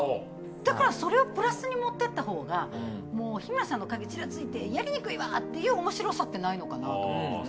だからそれをプラスに持ってったほうが「もう日村さんの影ちらついてやりにくいわ」っていうおもしろさってないのかなと思ってます。